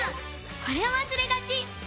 これをわすれがち！